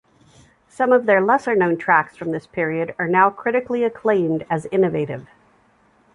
Some of their lesser-known tracks from this period are now critically acclaimed as innovative.